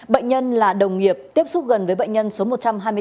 bệnh nhân là đồng nghiệp tiếp xúc gần với bệnh nhân số một trăm hai mươi bốn